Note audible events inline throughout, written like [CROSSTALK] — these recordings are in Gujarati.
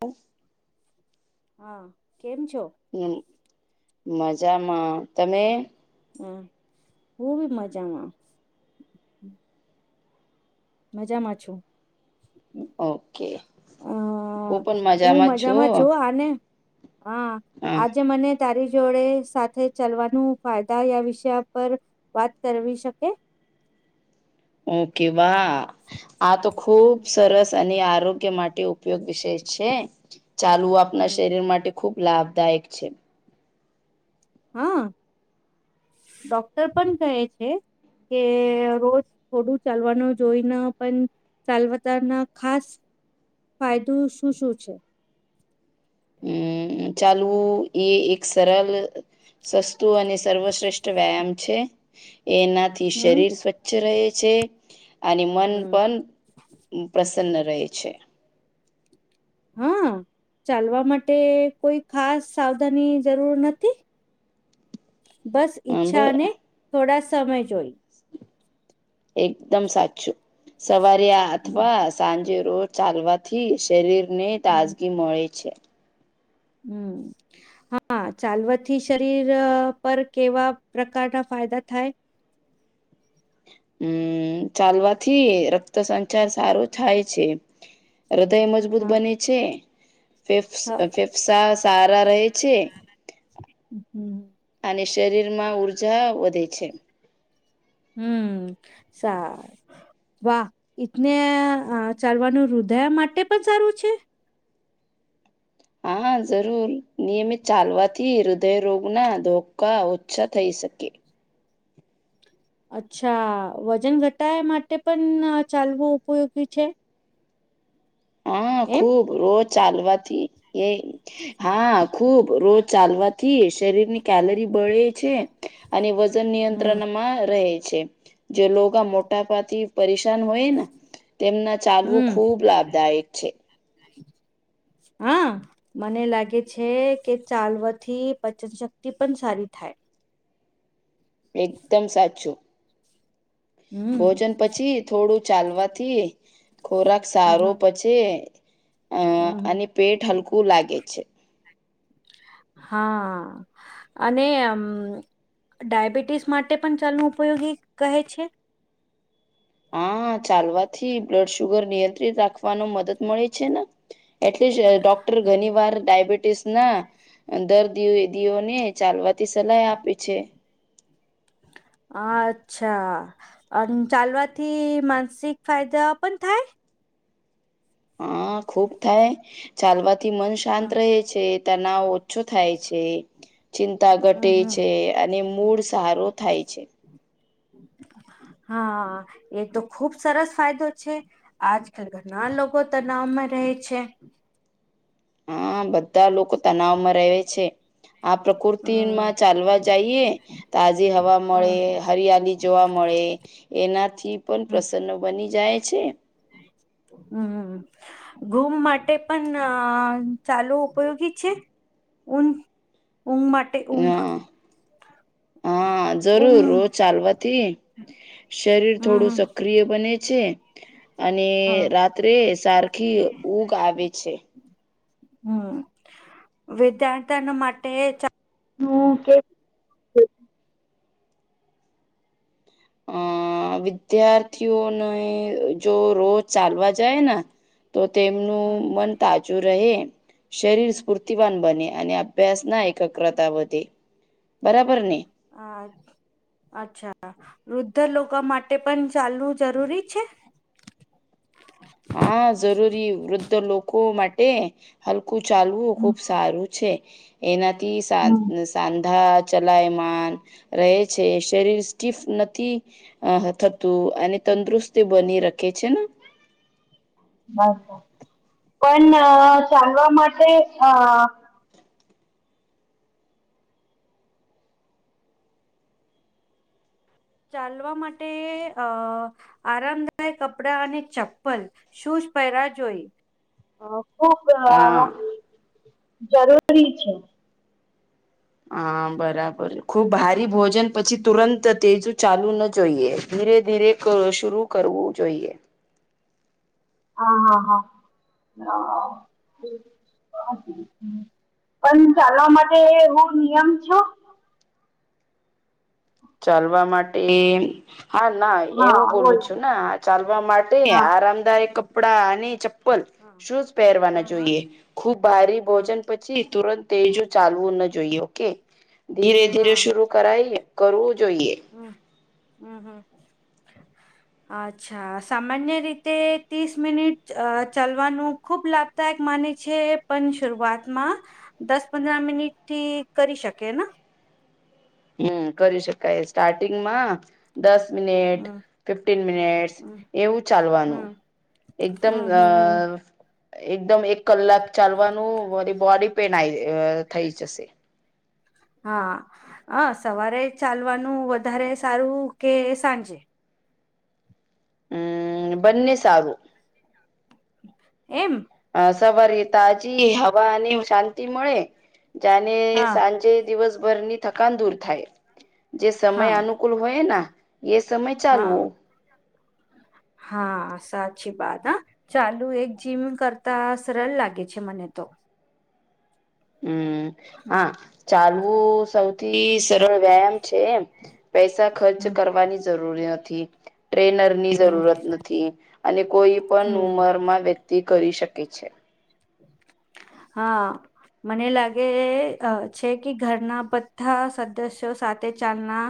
હ. [INAUDIBLE] હા કેમ છો? મજામાં, તમે? હા હુ બી મજામાં. મજામાં છું. ઓકે હ હું મજામાં છું આને. હા હા આજે મને. તારી જોડે સાથે ચલવાનું ફાયદા યા વિષય પર વાત કરવી શકે? ઓકે વાહ આ તો ખૂબ સરસ અને આરોગ્ય માટે ઉપયોગ વિશે છે ચાલવુ આપણા હમ શરીર માટે. ખૂબ લાભદાયક છે. હા ડોક્ટર પણ કહે છે. કે રોજ થોડું ચાલવાનું જોઈને પણ. ચાલવતના ખાસ ફાયદો શું શું છે? હમ ચાલવું એ એક સરળ સસ્તું અને સર્વશ્રેષ્ઠ વ્યાયામ છે એનાથી. થી હમ શરીર સ્વચ્છ રહે છે અને મન હમ પણ. પ્રસન્ન રહે છે. હા ચાલવા માટે કોઈ ખાસ સાવધાની જરૂર નથી? બસ ઈચ્છા અને થોડા સમય જોઈ. એકદમ સાચું સવારે આ અથવા. સાંજે રોજ ચાલવાથી શરીર ને હમ તાજગી મળે છે. હમ. હા ચાલવાથી શરીર પર કેવા પ્રકારના ફાયદા થાય? હમ ચાલવાથી રક્ત સંચાર સારો થાય છે. હૃદય મજબૂત હા બને છે. ફેફ હા ફેફસા સારા રહે છે. હમ અને શરીરમાં ઊર્જા વધે છે. હમ સ વાહ ઈટને ચાલવાનું રૃદય માટે પણ સારું છે? હા જરૂર નિયમિત ચાલવાથી હૃદયરોગ ના ધોકા ઓછા થઈ શકે. અચ્છા વજન ઘટાય માટે પણ ચાલવું ઉપયોગી છે? હા એમ ખુબ રોજ ચાલવાથી એ. હા, ખુબ રોજ ચાલવાથી શરીર ની કેલરી બળે છે. અને વજન હમ નિયંત્રણમાં રહે છે, જે લોગા મોટાપાથી. પરેશાન હોય ને તેમના ચાલવું હમ ખુબ લાભદાયક છે. હા. મને લાગે છે કે ચાલવાથી પચન શક્તિ પણ સારી થાય. એકદમ સાચું. હમ ભોજન પછી થોડું ચાલવાથી ખોરાક સારો હમ પછી અ હમ અને પેટ હલકું લાગે છે. હા. અને ડાયાબિટીસ માટે પણ ચાલ ઉપયોગી કહે છે. હા ચાલવાથી બ્લડ શુગર નિયંત્રિત રાખવાનો મદદ મળે છે ને એટલે જ ડોક્ટર ઘણી વાર ડાયબિટીસ ના દર્દીદીઓને ચાલવાથી સલાહ આપે છે. અચ્છા. અને ચાલવાથી માનસિક ફાયદા પણ થાય. હા ખુબ થાય ચાલવાથી મન શાંત હમ રહે છે તનાવ ઓછો થાય છે ચિંતા ઘટે હમ છે અને મૂળ સારો થાય છે. [INAUDIBLE] હા એ તો ખુબ સરસ ફાયદો છે. આજકાલ ઘણા લોકો તનાવમાં રહે છે. હા બધા લોકો તનાવમાં રહે છે. આ હમ પ્રકૃતિમાં ચાલવા જઈએ તાજી હવા મળે હમ હરિયાલી જોવા મળે એનાથી પણ હમ પ્રસન્નો બની જાય છે. હમ ઘૂમ માટે પણ ચાલુ ઉપયોગી છે. ઉન ઉંમાંટ હા [UNINTELLIGIBLE] હા જરૂર રોજ ઊંઘ ચાલવાથી શરીર થોડું હમ સક્રિય બને છે અને હમ રાત્રે સારખી ઊગ આવે છે. હમ વિદ્યાર્થ ના માટે ચનુ કે અ વિદ્યાર્થીઓને જો રોજ ચાલવા જાય ને તો તેમનું હમ મન તાજું રહે. શરીર સ્ફૂર્તિવાન બને અને અભ્યાસ ના એકત્ર્રતા વધે બરાબર ને હ અચ્છા વૃદ્ધ લોકો માટે પણ ચાલવું જરૂરી છે. હા જરૂરી વૃદ્ધ લોકો માટે હલકું ચાલવું ખૂબ સારું છે એનાથી સા હમ સાંધા ચલાયમાન રહે છે શરીર સ્ટીફ નથી આ થતું અને તંદુરસ્ત બની રાખે છે. બસ પણ ચલવા માટે અ ચાલવા માટે અ આરામદાયક કપડા અને ચપ્પલ શું જ પહેરા જોઈ ખુબ હા જરૂરી છે. હા બરાબર ખુબ ભારી ભોજન પછી તુરંત તેજ ચાલુ ના જોઈએ ધીરે ધીરે શર કરવું જોઈએ હા હા હા પણ ચાલવા માટે હું નિયમ છો ચાલવા માટે હા ના એવું હા બોલું બોલ છું ને ચાલવા માટે હા. આરામદાયક કપડાંની હા શું જ પહેરવાના હા હા જોઈએ ખુબ ભારી હા ભોજન પછી તુરંત એજું ચાલવું ના જોઈએ ઓકે ધીરે ધીરે હા શર કરાય કરવું જોઈએ હમ હમ હમ [INAUDIBLE] અચ્છા સામાન્ય રીતે ત્રીસ મિનિટ ચાલવાનું ખુબ લાભદાયક માને છે પણ શરૂઆતમાં દસ પંદર મિનિટ થી કરી શકે હમ કરી શકાય સ્ટાર્ટિંગ માં દસ મિનિટ હમ ફિફ્ટન મિનિટસ હમ એવું ચાલવાનું હમ એકદમ હમ અ હમ હમ એકદમ એક કલાક ચાલવાનું વરી બોડી પેન આ થઈ જશે હા હ સવારે ચાલવાનું વધારે સારું કે સાંજે. હમ બને સારું. એમ. અ સવારી તાજી હવા અને શાંતિ મળે. જાને હા સાંજે દિવસભરની થકાન દૂર થાય જે સમય હા અનુ. કૂલ હોય એ સમય ચાલ હા હો. હા સાચી વાત હા ચાલુ એક જીમ કરતા સરળ લાગે છે મને તો. હમ હમ હા ચાલવું સૌથી. વ્યાયામ છે પૈસા ખર્ચ હમ કરવાની જરૂર નથી ટ્રેનર. ની હમ જરૂરત નથી અને કોઈ પણ હમ ઉમર માં વ્યક્તિ કરી શકે છે. [INAUDIBLE] હા. મને લાગે છે કે ઘરના બધા સદસ્યો સાથે ચાલના.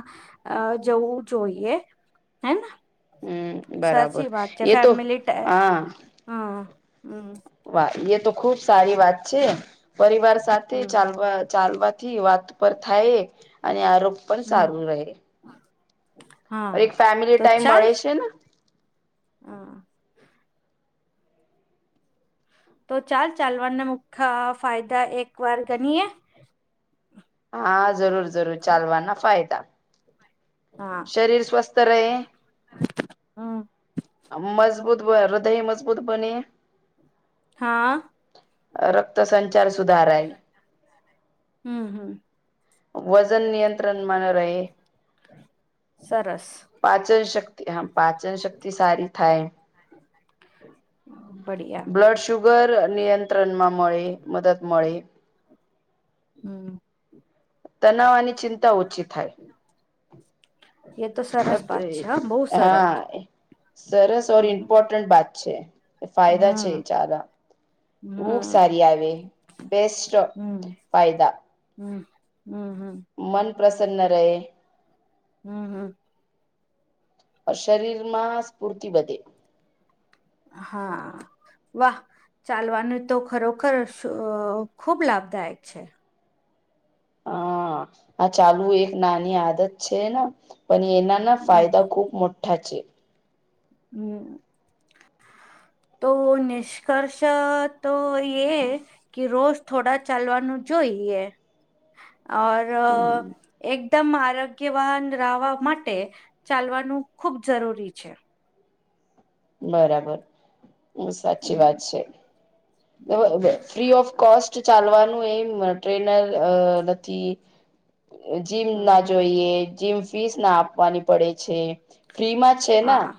અ જવું જોઈએ હેને. હમ બરાબર સાચી વાત છે એ તો ફેમિલી ટા હા. હા હમ. વાહ એ તો ખુબ સારી વાત છે પરિવાર સાથે હમ ચાલવા. ચાલવાથી વાત પર થાય અને આરોપ પણ હમ સારું રહે. હા એક ફેમિલી તો ટાઈમ ચાલ મળે છે ને. હા. તો ચાલ ચાલવાના મુખ્ય ફાયદા એક વાર ગણીએે. હા જરૂર જરૂર ચાલવાના ફાયદા. હા શરીર સ્વસ્થ રહે. હમ મજબૂત બ હૃદય મજબૂત બને. હા. રક્ત સંચાર સુધારાય. હમ હમ. વજન નિયંત્રણ માના એ. સરસ પાચન શક્તિ હા પાચન શક્તિ સારી થાય. બિયા. બ્લડ શુગર નિયંત્રણ માં મળી મદદ મળી. હમ. તનાવાની ચિંતા ઓછી થાય. એ તો સરસ વાત છે હા, બહુ સરસ હા સરસ ઓર હમ ઇમ્પોર્ટન્ટ વાત છે. ફાયદા છે હમ ચાર. ઉઘ હમ સારી આવે બેસ્ટ હમ ફાયદા. હમ હમ હમ. મન પ્રસન્ન ન રહે. હમ હમ. શરીર માં સ્ફૂર્તિ વધે. હા. વાહ ચાલવાનું તો ખરોખર ખુબ લાભદાયક છે. હા આ ચાલુ એક નાની આદત છે ને પણ એના. હમ ફાયદા ખૂબ મોટા છે. હમ. તો નિષ્કર્ષ તો એે. કે રોષ થોડા ચાલવાનું જોઈએ ઓર હમ એક. એકદમ આરોગ્યવાન રવા માટે ચાલવાનું ખૂબ જરૂરી છે. બરાબર. હ સાચી વાત હમ છે ફ્રી ઓફ કોસ્ટ ચાલવાનું એ. ટ્રેનર નથી જીમ ના હમ જોઈએ જીમ ફીસ ના આપવાની પડે છે ફ્રી માં છે. હા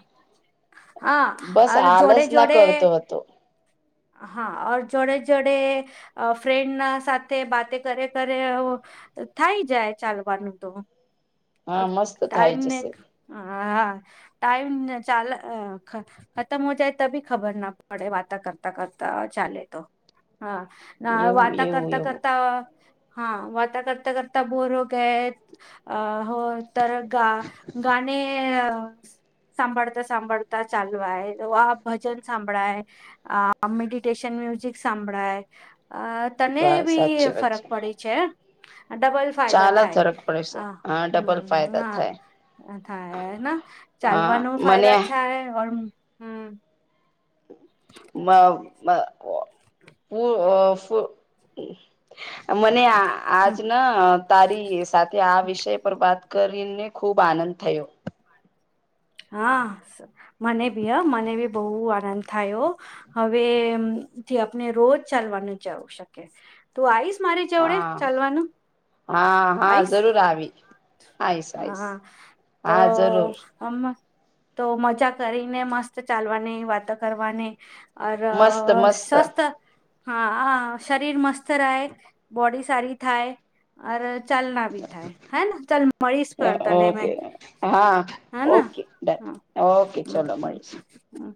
હા બસ અર જોડે આલસ ના કરતો હતો હાર જોડે જોડે ફ્રેન્ડના સાથે વાતે કર કરે થાય જાય ચાલવાનું તો હા મસ્ત થાય ટાઈમ ને જશે હ હા ટાઈમ ચાલ ખતમ હો જાય ત બી ખબર ના પડે વાત કરતા કરતા ચાલે તો હા ના એવું વાતા એવું કરતા એવું કરતા હા વાતા કરતા કરતા બોર હો ગાય અ હોય ત ગા ગાને સાંભળતા સાંભળતા ચાલુય વા ભજન સાંભળાય અ મેડિટેશન મ્યુઝિક સાંભળાય અ તને એ વા બી સાચી વાત ફરક પડે છે ડબલ ફાયદા ચાલા થાય ફરક પડે હ છે હા ડબલ હમ્મ ફાયદા થાય હા થાય ના હા ચાલવાનું મને ફાયદા અચ્છા હૈ હમ્મ બ બ પ પ ફ મને આ આજ હમ ના તારી સાથે આ વિષય પર વાત કરીને ખુબ આનંદ થયો હા મને ભી હ મને બી બહુ આનંદ થાયો હવેથી આપણે રોજ ચાલવાનું જવું શકે તું આવીઈશ મારી જેવડે હા ચાલવાનું હા હા આવીશ જરૂર આવી આઈશ આઈશ હા જરૂર હમ્મ તો મજા કરીને મસ્ત ચાલવાની વાત કરવાની અર મસ્ત મસ્ત સ્વાસ્થ હા હ શરીર મસ્ત રહે બોડી સારી થાય અ ચાલના બી થાય હે ને ચાલ મળીશ હ પર તને ઓકે મેં હા હે હ હમ ઓકે ડન ઓકે ચલો મળીશુ હમ્મ